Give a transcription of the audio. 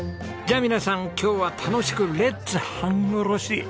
じゃあ皆さん今日は楽しくレッツ半殺し。